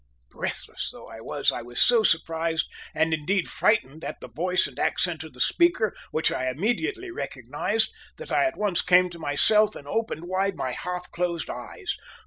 Breathless though I was, I was so surprised, and indeed frightened at the voice and accent of the speaker, which I immediately recognised, that I at once came to myself and opened wide my half closed eyes.